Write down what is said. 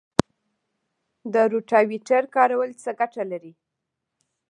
د روټاویټر کارول څه ګټه لري؟